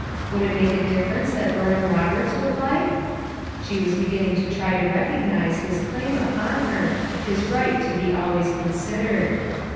Would it make a difference that Burnham Eoberts would like? She was beginning to try to recognize his claim upon her, Ms right to be always considered.